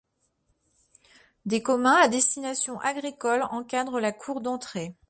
Des communs à destination agricole encadrent la cour d'entrée.